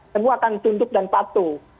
semua akan tunduk dan patuh